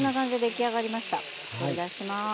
取り出します。